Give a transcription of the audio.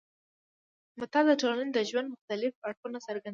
متل د ټولنې د ژوند مختلف اړخونه څرګندوي